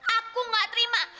aku gak terima